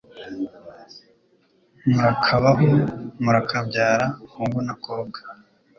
murakabaho murakabyara hungu na kobwa